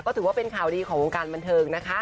ก็ถือว่าเป็นข่าวดีของวงการบันเทิงนะคะ